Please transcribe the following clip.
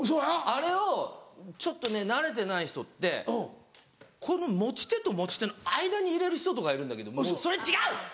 あれをちょっとね慣れてない人ってこの持ち手と持ち手の間に入れる人とかいるんだけどそれ違う！